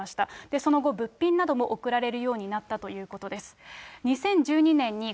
その後、物品なども送られるようになったということです。